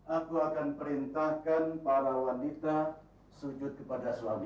aku akan perintahkan para wanita sujud kepada suami